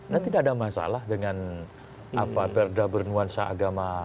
nah tidak ada masalah dengan perda bernuansa agama